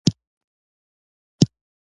بخار ماشین په دې انقلاب کې مهم رول ولوباوه.